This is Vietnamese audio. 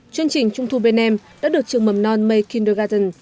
chương trình trung thu bên em đã được trường mầm non may kindergarten